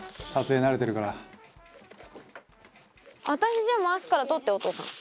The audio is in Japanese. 私じゃあ回すから採ってお父さん。